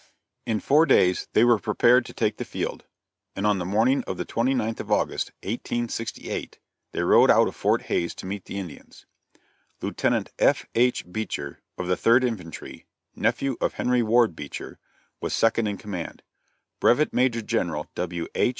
In four days they were prepared to take the field, and on the morning of the 29th of August, 1868, they rode out of Fort Hays to meet the Indians. Lieutenant F.H. Beecher, of the Third Infantry, nephew of Henry Ward Beecher, was second in command; Brevet Major General W.H.